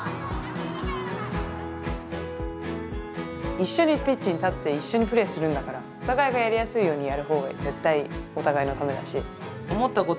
一緒にピッチに立って一緒にプレーするんだからお互いがやりやすいようにやるほうが絶対お互いのためだし。